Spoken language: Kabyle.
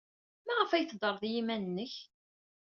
Maɣef ay teddred i yiman-nnek?